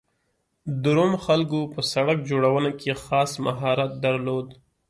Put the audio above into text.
د روم خلکو په سړک جوړونه کې خاص مهارت درلود